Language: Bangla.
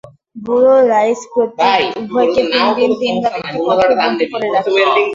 বুড়া লাঈছ উভয়কে তিনদিন তিনরাত একটি কক্ষে বন্দি করে রাখে।